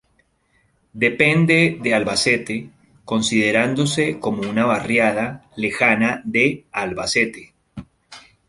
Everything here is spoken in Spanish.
Depende de Albacete, considerándose como una barriada lejana de Albacete.